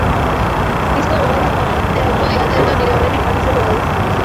Disko-gogorra formateatu didate dendan niri aurretik abisatu gabe.